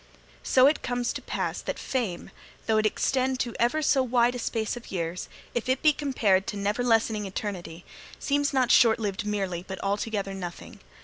So it comes to pass that fame, though it extend to ever so wide a space of years, if it be compared to never lessening eternity, seems not short lived merely, but altogether nothing.